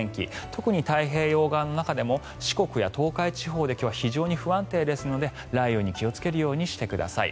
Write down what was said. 特に太平洋側の中でも四国や東海地方で今日は非常に不安定ですので雷雨に気をつけるようにしてください。